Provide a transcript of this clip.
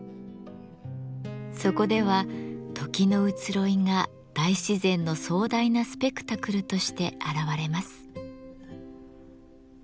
そこでは時の移ろいが大自然の壮大なスペクタクルとして現れます。